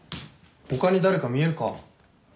他に誰か見えるか？